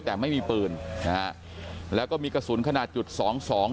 แต่ไม่มีปืนนะฮะแล้วก็มีกระสุนขนาดจุดสองสอง